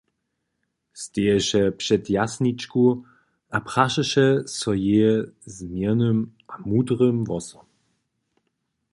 Steješe před Jasničku a prašeše so jeje z měrnym a mudrym hłosom: